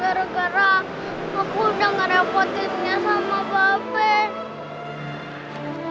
gara gara aku udah nge repotinnya sama bapak